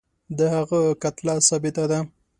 د هغه کتله ثابته ده.